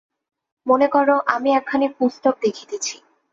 মনে কর, আমি একখানি পুস্তক দেখিতেছি।